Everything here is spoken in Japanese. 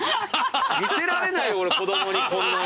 見せられない俺子供にこんな。